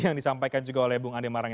yang disampaikan juga oleh bung andi malarangi